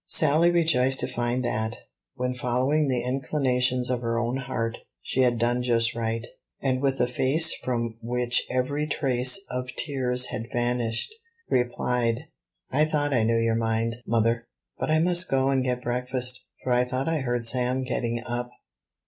Sally rejoiced to find that, when following the inclinations of her own heart, she had done just right; and with a face from which every trace of tears had vanished, replied, "I thought I knew your mind, mother; but I must go and get breakfast, for I thought I heard Sam getting up."